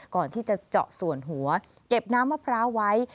ก่อนที่จะเจาะส่วนหัวเก็บน้ำมะพร้าวไว้